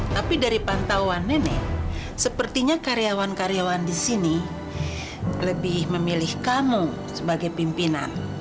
tapi dari pantauan nenek sepertinya karyawan karyawan di sini lebih memilih kamu sebagai pimpinan